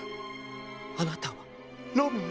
あなたはロミオ？